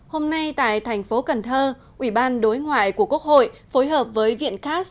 hôm nay tại thành phố cần thơ ủy ban đối ngoại của quốc hội phối hợp với viện cast